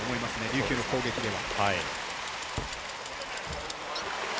琉球の攻撃では。